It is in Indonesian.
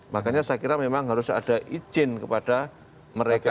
makanya saya kira memang harus ada izin kepada mereka